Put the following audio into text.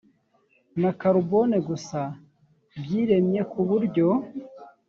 na carbone gusa byiremye ku buryo